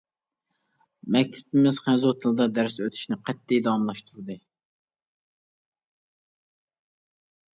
مەكتىپىمىز خەنزۇ تىلىدا دەرس ئۆتۈشنى قەتئىي داۋاملاشتۇردى.